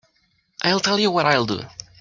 I'll tell you what I'll do.